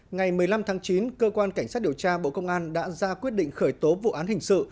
ngày một mươi năm tháng chín cơ quan cảnh sát điều tra bộ công an đã ra quyết định khởi tố vụ án hình sự